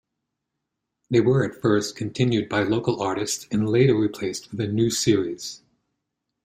They were at first continued by local artists and later replaced with new series.